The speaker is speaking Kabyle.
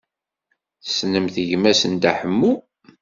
Tessnemt gma-s n Dda Ḥemmu?